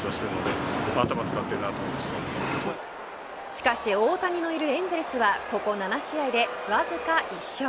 しかし大谷のいるエンゼルスはここ７試合でわずか１勝。